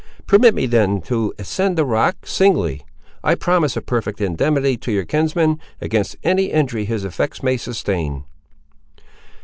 Permit me then to ascend the rock, singly; I promise a perfect indemnity to your kinsman, against any injury his effects may sustain."